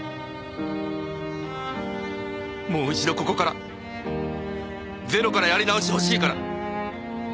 もう一度ここからゼロからやり直してほしいから。